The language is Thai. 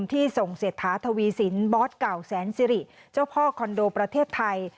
ที่ส่งเศรษฐาทวีสินบอสเก่าแสนสิริเจ้าพ่อคอนโดประเทศไทย